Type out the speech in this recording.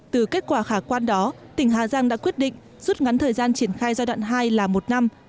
từ kết quả khả quan đó tỉnh hà giang đã quyết định rút ngắn thời gian triển khai giai đoạn hai là một năm